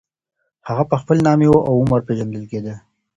هغه په خپل نامې او عمر پېژندل کېدی.